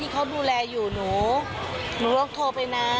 เขาดูแลอยู่หนูหนูลองโทรไปนะ